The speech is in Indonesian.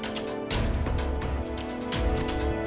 dari tadi mukanya bete banget